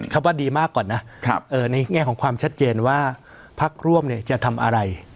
คำว่าดีมากก่อนนะในแง่ของความชัดเจนว่าพักร่วมจะทำอะไร